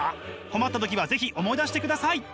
困った時は是非思い出してください！